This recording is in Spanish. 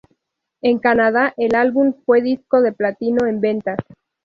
En Canadá el álbum fue disco de Platino en ventas.